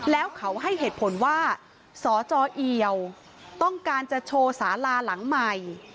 แล้วเขาให้เหตุผลว่าสจเอียวต้องการจะโชว์สาลาหลังใหม่